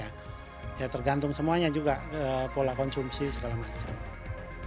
ya tergantung semuanya juga pola konsumsi segala macam